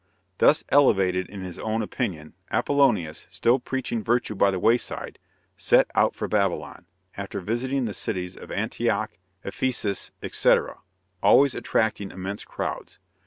Thus elevated in his own opinion, Apollonius, still preaching virtue by the wayside, set out for Babylon, after visiting the cities of Antioch, Ephesus, etc., always attracting immense crowds.